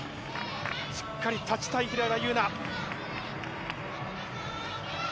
しっかり立ちたい、平岩優奈。